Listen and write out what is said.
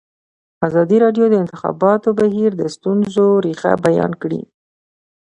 ازادي راډیو د د انتخاباتو بهیر د ستونزو رېښه بیان کړې.